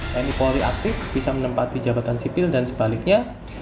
tni polri aktif bisa menempati jabatan sipil dan sebaliknya